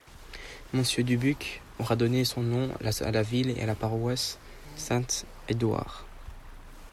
Monsieur Dubuc aura donné son nom à la ville et à la paroisse Saint-Édouard.